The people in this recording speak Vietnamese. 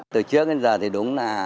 từ trước đến giờ thì đúng là